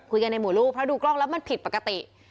ในหมู่ลูกเพราะดูกล้องแล้วมันผิดปกติ